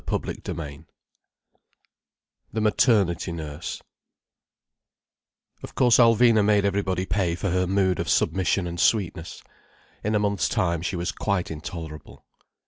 CHAPTER III THE MATERNITY NURSE Of course Alvina made everybody pay for her mood of submission and sweetness. In a month's time she was quite intolerable.